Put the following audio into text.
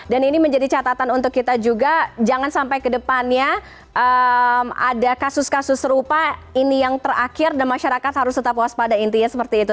dan ini menjadi catatan untuk kita juga jangan sampai kedepannya ada kasus kasus serupa ini yang terakhir dan masyarakat harus tetap puas pada intinya seperti itu